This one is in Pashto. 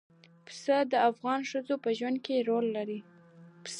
پسه د افغان ښځو په ژوند کې رول لري.